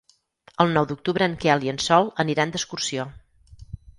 El nou d'octubre en Quel i en Sol aniran d'excursió.